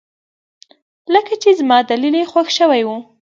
لکه چې زما دليل يې خوښ شوى و.